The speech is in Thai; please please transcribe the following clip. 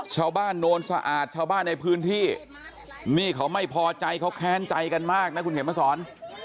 โนนสะอาดชาวบ้านในพื้นที่นี่เขาไม่พอใจเขาแค้นใจกันมากนะคุณเขียนมาสอน